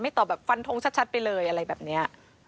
ตอบแบบฟันทงชัดไปเลยอะไรแบบนี้